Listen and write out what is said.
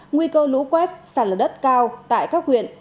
nguy cơ lũ quét sạt lở đất cao tại các huyện